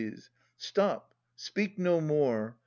Stop, speak no more!